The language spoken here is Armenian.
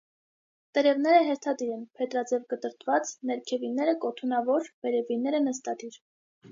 Տերևները հերթադիր են, փետրաձև կտրտված, ներքևինները՝ կոթունավոր, վերևինները՝ նստադիր։